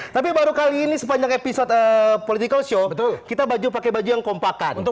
tapi baru kali ini sepanjang episode political show betul kita baju pakai baju yang kompakan